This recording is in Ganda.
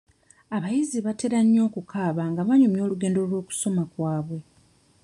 Abayizi batera nnyo okukaaba nga banyumya olugendo lw'okusoma kwabwe.